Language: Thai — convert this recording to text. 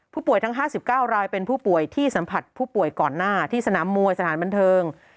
ผู้ป่วยทั้งห้าสิบเก้ารายเป็นผู้ป่วยที่สัมผัสผู้ป่วยก่อนหน้าที่สนามมวยสถานบันเทิง